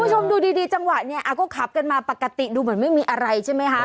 คุณผู้ชมดูดีจังหวะเนี่ยก็ขับกันมาปกติดูเหมือนไม่มีอะไรใช่ไหมคะ